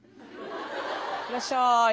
いらっしゃい。